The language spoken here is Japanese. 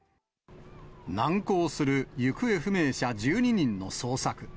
難航する行方不明者１２人の捜索。